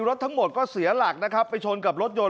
รถทั้งหมดก็เสียหลักนะครับไปชนกับรถยนต์